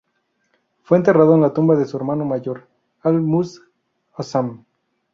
Fue enterrado en la tumba de su hermano mayor, al-Mu'azzam.